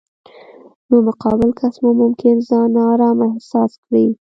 نو مقابل کس مو ممکن ځان نا ارامه احساس کړي.